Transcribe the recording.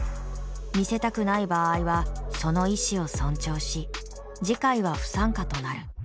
見せたくない場合はその意思を尊重し次回は不参加となる。